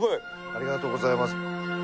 ありがとうございます。